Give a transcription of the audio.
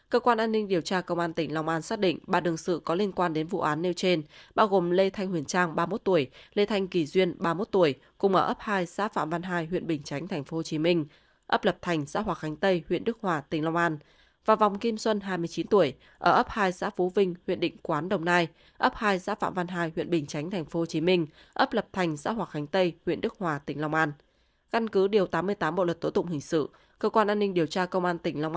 cơ quan an ninh điều tra công an tỉnh long an xác định ba đường sự có liên quan đến vụ án nêu trên bao gồm lê thanh huyền trang ba mươi một tuổi lê thanh kỳ duyên ba mươi một tuổi cùng ở ấp hai xã phạm văn hai huyện bình chánh tp hcm ấp lập thành xã hòa khánh tây huyện đức hòa tỉnh long an và vòng kim xuân hai mươi chín tuổi ở ấp hai xã phú vinh huyện định quán đồng nai ấp hai xã phạm văn hai huyện bình chánh tp hcm ấp lập thành xã hòa khánh tây huyện đức hòa